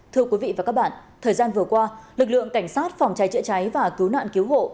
thưa quý vị và các bạn thời gian vừa qua lực lượng cảnh sát phòng cháy chữa cháy và cứu nạn cứu hộ